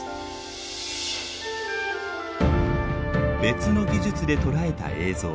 別の技術でとらえた映像。